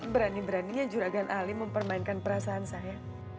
berani beraninya juragan alim mempermainkan perasaan saya